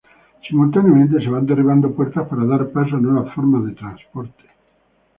Simultáneamente se van derribando puertas para dar paso a nuevas formas de transporte.